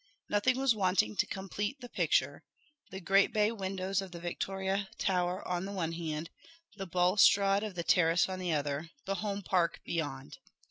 Nothing was wanting to complete the picture: the great bay windows of the Victoria Tower on the one hand the balustrade of the terrace on the other the home park beyond.